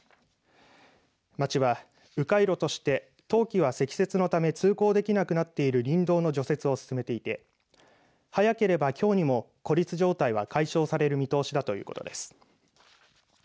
町は、う回路として冬期は積雪のため通行できなくなっている林道の除雪を進めていて早ければ、きょうにも孤立状態は解消される見通しだということです。